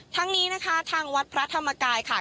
ทั้งนี้นะคะทางวัดพระธรรมกายค่ะ